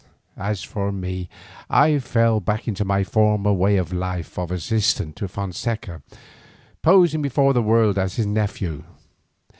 As for me I fell back into my former way of life of assistant to Fonseca, posing before the world as his nephew.